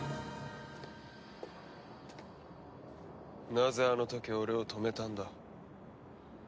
なぜあの時俺を止めたんだ？